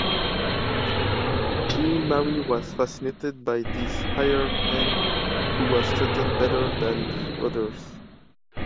Jeanne-Marie was fascinated by this hired hand who was treated better than the others.